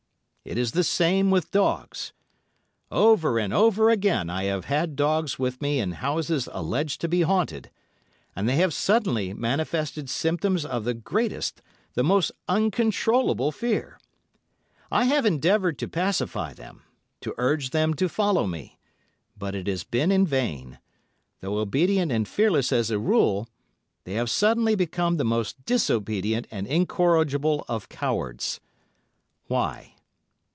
It is the same with dogs. Over and over again I have had dogs with me in houses alleged to be haunted, and they have suddenly manifested symptoms of the greatest, the most uncontrollable fear. I have endeavoured to pacify them, to urge them to follow me, but it has been in vain; though obedient and fearless as a rule, they have suddenly become the most disobedient and incorrigible of cowards. Why?